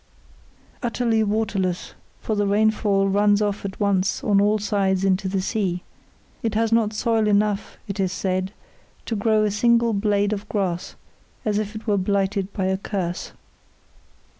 Utterly waterless, for the rainfall runs off at once on all sides into the sea, it has not soil enough it is said to grow a single blade of grass, as if it were blighted by a curse.